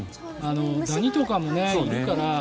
ダニとかもいるから。